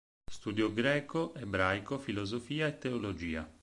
Studiò greco, ebraico, filosofia e teologia.